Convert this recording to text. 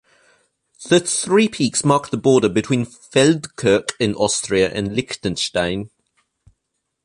The three peaks mark the border between Feldkirch in Austria and Liechtenstein.